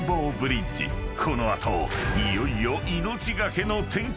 ［この後いよいよ］